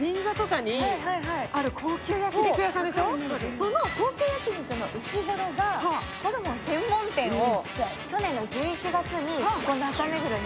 その高級焼肉のうしごろがホルモン専門店を去年の１１月にここ、中目黒に